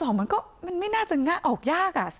๒๒๒มันก็ไม่น่าจะออกยากอ่ะ